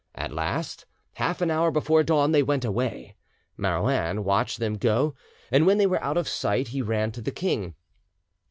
At last, half an hour before dawn, they went away. Marouin watched them go, and when they were out of sight he ran to the king.